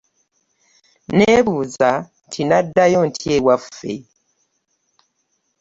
Nebuuza nti naddayo ntya ewaffe .